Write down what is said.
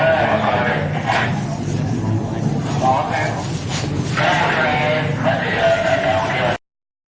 โปรดติดตามตอนต่อไป